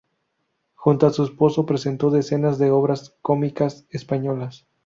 Junto a su esposo presentó decenas de obras cómicas españolas.